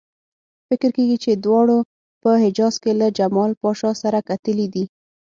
فکر کېږي چې دواړو په حجاز کې له جمال پاشا سره کتلي دي.